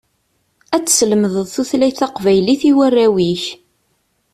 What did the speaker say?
Ad teslemdeḍ tutlayt taqbaylit i warraw-ik.